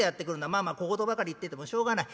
まあまあ小言ばかり言っててもしょうがない。